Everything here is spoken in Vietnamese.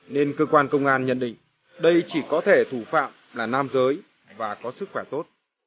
nên cơ quan công an nhận định đây chỉ có thể thủ phạm là nam giới và có sức khỏe tốt